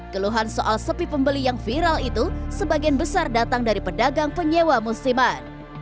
keluhan soal sepi pembeli yang viral itu sebagian besar datang dari pedagang penyewa musiman